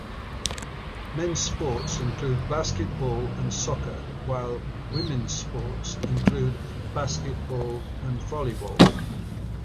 Men's sports include basketball and soccer; while women's sports include basketball and volleyball.